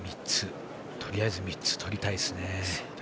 とりあえず３つ取りたいですね。